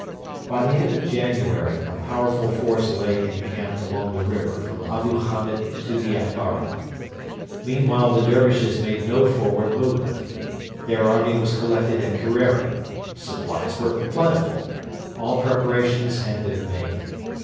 By the end of January a powerful force lay encamped along the river from Abu Hamed to the Atbara. Meanwhile the Dervishes made no forward movement. Their army was collected at Kerreri; supplies were plentiful; all preparations had been made.